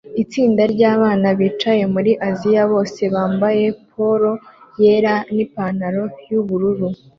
Itsinda ryabana bicaye muri Aziya bose bambaye polo yera nipantaro yubururu